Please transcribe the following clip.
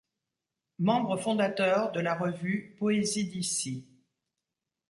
Membre fondateur de la revue Poésie d'Ici.